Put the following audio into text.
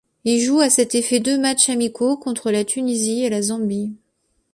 Il joue à cet effet deux matchs amicaux, contre la Tunisie et la Zambie.